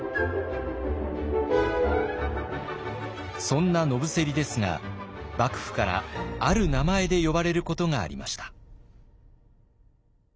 そんな野伏ですが幕府からある名前で呼ばれることがありました。